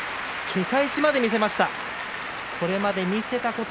け返しまで見せました。